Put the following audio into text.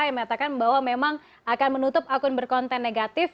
yang menyatakan bahwa memang akan menutup akun berkonten negatif